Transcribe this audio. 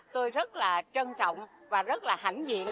tôi rất là trân trọng và rất là hãnh diện